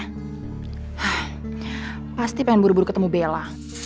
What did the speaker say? hah pasti pengen buru buru ketemu bella